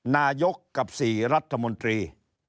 นายกกับ๔รัฐมนตรี